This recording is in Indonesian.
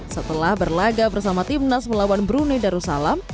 setelah berlaga bersama timnas melawan brunei darussalam